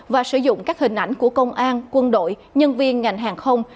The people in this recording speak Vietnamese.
và sử dụng các hình ảnh của công an quân đội nhân viên ngành hàng không